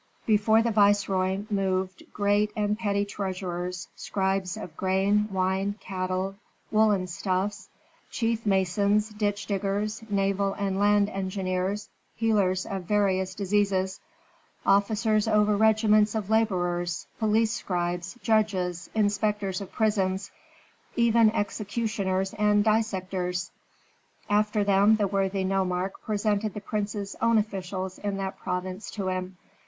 Before the viceroy moved great and petty treasurers; scribes of grain, wine, cattle, woollen stuffs; chief masons, ditch diggers, naval and land engineers, healers of various diseases, officers over regiments of laborers, police scribes, judges, inspectors of prisons, even executioners and dissectors. After them the worthy nomarch presented the prince's own officials in that province to him.